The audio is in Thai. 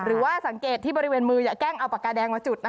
หรือว่าสังเกตที่บริเวณมืออย่าแกล้งเอาปากกาแดงมาจุด